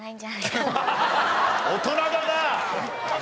大人だなあ。